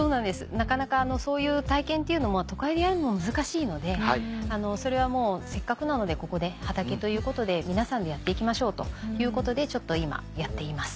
なかなかそういう体験っていうのも都会でやるのは難しいのでそれはせっかくなのでここで畑ということで皆さんでやって行きましょうということでちょっと今やっています。